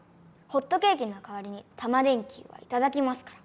ホットケーキのかわりにタマ電Ｑはいただきますから。